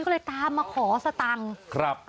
ก็เลยตามมาขอสตังค์